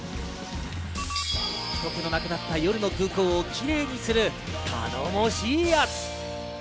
人けのなくなった夜の空港をキレイにする頼もしいヤツ。